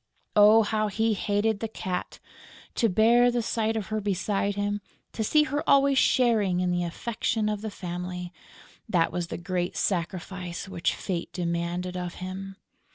Oh, how he hated the Cat! To bear the sight of her beside him, to see her always sharing in the affection of the family: that was the great sacrifice which fate demanded of him.